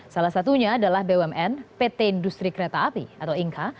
salah satunya adalah bumn pt industri kereta api atau inka